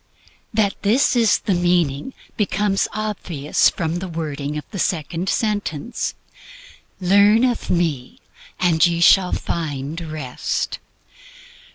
That this is the meaning becomes obvious from the wording of the second sentence: "Learn of me, and ye shall find Rest."